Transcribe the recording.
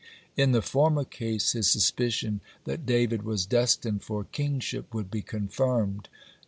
In the former case his suspicion that David was destined for kingship would be confirmed.